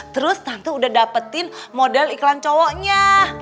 terus tante udah dapetin model iklan cowoknya